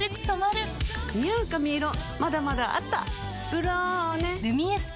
「ブローネ」「ルミエスト」